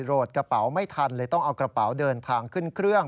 โหลดกระเป๋าไม่ทันเลยต้องเอากระเป๋าเดินทางขึ้นเครื่อง